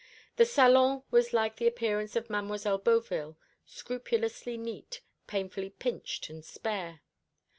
The salon was like the appearance of Mademoiselle Beauville, scrupulously neat, painfully pinched and spare.